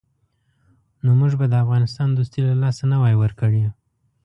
نو موږ به د افغانستان دوستي له لاسه نه وای ورکړې.